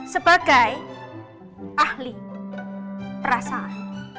sebagai ahli perasaan